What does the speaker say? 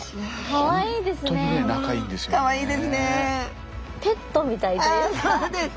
かわいいですね。